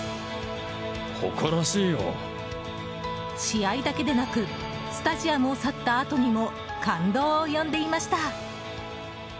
試合だけでなくスタジアムを去ったあとにも感動を呼んでいました。